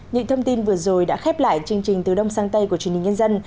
những thông tin vừa rồi đã khép lại chương trình từ đông sang tây của truyền hình nhân dân